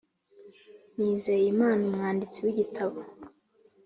nizeyimana umwanditsi wi gitabo